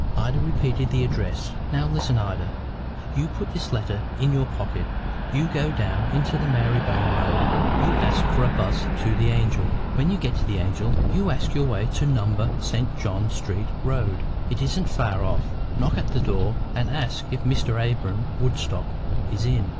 Ida repeated the address. "Now, listen, Ida. You put this letter in your pocket; you go down into the Mary'bone road; you ask for a 'bus to the Angel. When you get to the Angel, you ask your way to Number , St. John Street Road; it isn't far off. Knock at the door, and ask if Mr. Abra'm Woodstock is in.